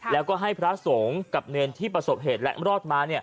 แล้วก็ให้พระสงฆ์กับเนรที่ประสบเหตุและรอดมา